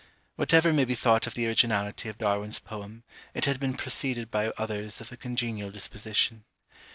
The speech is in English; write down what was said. Whatever may be thought of the originality of Darwin's poem, it had been preceded by others of a congenial disposition.